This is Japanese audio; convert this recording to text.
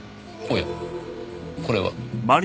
おやこれは？